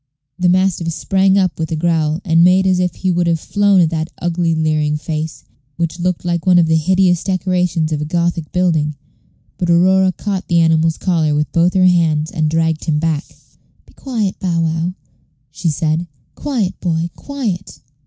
The mastiff sprang up with a growl, and made as if he would have flown at that ugly leering face, which looked like one of the hideous decorations of a Gothic building; but Aurora caught the animal's collar with both her hands, and dragged him back. "Be quiet, Bow wow," she said; "quiet, boy, quiet."